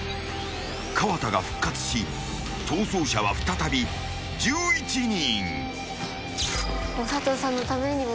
［河田が復活し逃走者は再び１１人］